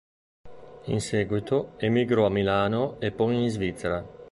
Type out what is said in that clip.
In seguito emigrò a Milano e poi in Svizzera.